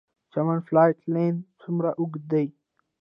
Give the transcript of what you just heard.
چمن فالټ لاین څومره اوږد دی؟